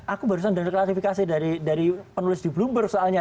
aku barusan dengar klarifikasi dari penulis di bloomberg soalnya